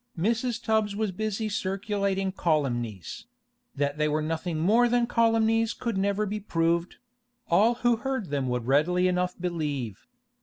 Mrs. Tubbs was busy circulating calumnies; that they were nothing more than calumnies could never be proved; all who heard them would readily enough believe.